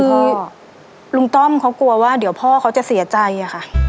คือลุงต้อมเขากลัวว่าเดี๋ยวพ่อเขาจะเสียใจอะค่ะ